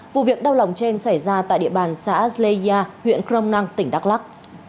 vụ việc đau lòng trên xảy ra tại địa bàn xã zleya huyện krom nang tỉnh đắk lắc